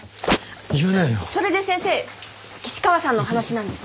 それで先生岸川さんの話なんですが。